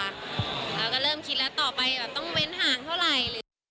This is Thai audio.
เราก็เริ่มคิดแล้วต่อไปแบบต้องเว้นห่างเท่าไหร่